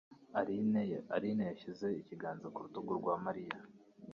Aline yashyize ikiganza ku rutugu rwa Mariya.